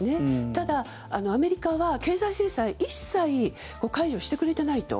ただ、アメリカは経済制裁一切解除してくれてないと。